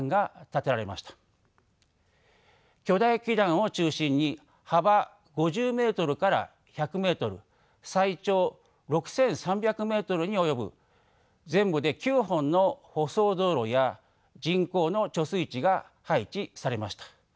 巨大基壇を中心に幅５０ｍから１００ｍ最長６，３００ｍに及ぶ全部で９本の舗装道路や人工の貯水池が配置されました。